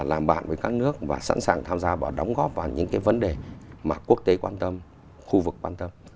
làm bạn với các nước và sẵn sàng tham gia và đóng góp vào những cái vấn đề mà quốc tế quan tâm khu vực quan tâm